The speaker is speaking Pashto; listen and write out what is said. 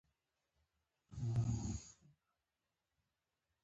هغه تر سلام وروسته ځان معرفي کړ.